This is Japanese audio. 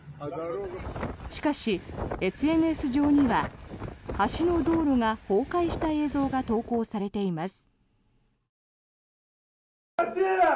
しかし、ＳＮＳ上には橋の道路が崩壊した映像が投稿されています。